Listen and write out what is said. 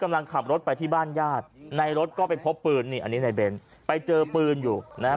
กำลังขับรถไปที่บ้านญาติในรถก็ไปพบปืนนี่อันนี้ในเบ้นไปเจอปืนอยู่นะฮะ